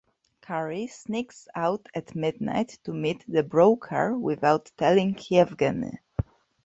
Carrie sneaks out at midnight to meet the broker without telling Yevgeny.